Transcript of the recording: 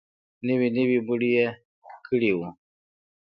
نوې نوي مړي يې کړي وو.